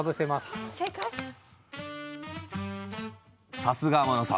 さすが天野さん。